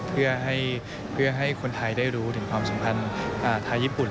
เพื่อให้คนไทยได้รู้ถึงความสัมพันธ์ไทยญี่ปุ่น